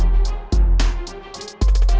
semua udah jadi